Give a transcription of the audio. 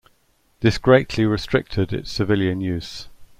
This greatly restricted its civilian use.